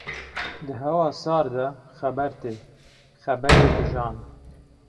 Di hawa sar de xeber tê, xeberê bi jan.